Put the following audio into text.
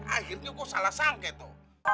akhirnya lo salah sangka itu